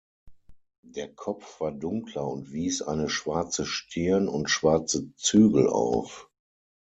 Der Kopf war dunkler und wies eine schwarze Stirn und schwarze Zügel auf.